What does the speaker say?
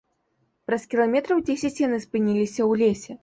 Праз кіламетраў дзесяць яны спыніліся ў лесе.